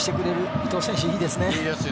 伊東選手、いいですよね。